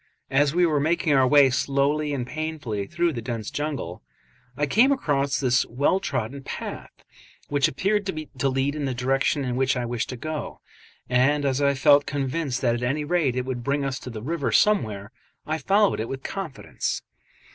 As we were making our way slowly and painfully through the dense jungle, I came across this well trodden path, which appeared to lead in the direction in which I wished to go, and as I felt convinced that at any rate it would bring us to the river somewhere, I followed it with confidence.